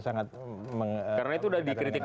sangat mengatakan karena itu udah dikritik